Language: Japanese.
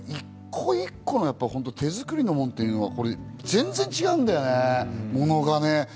一個一個、手づくりのものって、全然違うんだよね、ものがね。